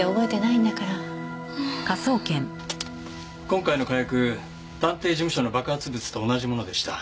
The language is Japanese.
今回の火薬探偵事務所の爆発物と同じものでした。